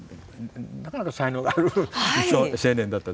なかなか才能がある青年だった。